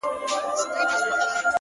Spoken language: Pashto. جادوگري جادوگر دي اموخته کړم ـ